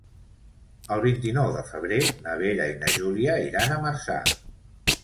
El vint-i-nou de febrer na Vera i na Júlia iran a Marçà.